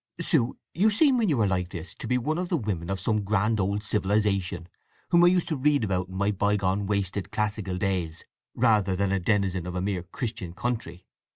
"Sue, you seem when you are like this to be one of the women of some grand old civilization, whom I used to read about in my bygone, wasted, classical days, rather than a denizen of a mere Christian country.